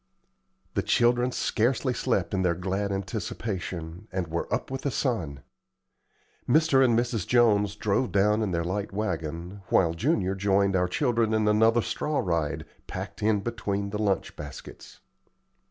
The children scarcely slept in their glad anticipation, and were up with the sun. Mr. and Mrs. Jones drove down in their light wagon, while Junior joined our children in another straw ride, packed in between the lunch baskets.